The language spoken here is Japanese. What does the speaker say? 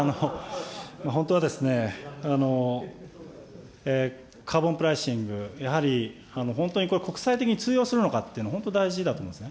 本当はカーボンプライシング、やはり本当にこれ、国際的に通用するのかって、本当に大事だと思うんですね。